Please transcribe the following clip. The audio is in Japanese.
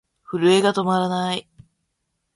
震えが止まらない。